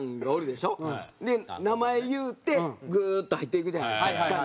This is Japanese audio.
名前言うてグーッと入っていくじゃないですか地下に。